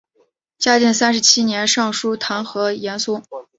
嘉靖三十七年上疏弹劾严嵩。